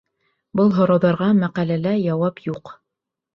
Был һорауҙарға мәҡәләлә яуап юҡ.